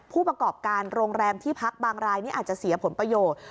ผู้ประกอบการโรงแรมที่พักบางรายนี่อาจจะเสียผลประโยชน์